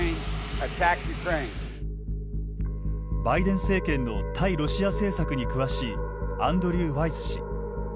バイデン政権の対ロシア政策に詳しいアンドリュー・ワイス氏。